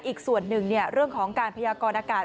อีกส่วนหนึ่งเรื่องของการพยากรอากาศ